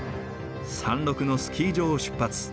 山麓のスキー場を出発。